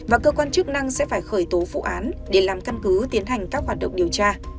và cơ quan chức năng sẽ phải khởi tố vụ án để làm căn cứ tiến hành các hoạt động điều tra